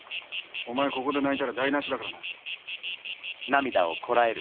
お前ここで泣いたら台なしだからな。